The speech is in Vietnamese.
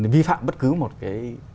vi phạm bất cứ một cái